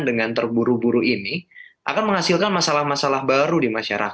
dengan terburu buru ini akan menghasilkan masalah masalah baru di masyarakat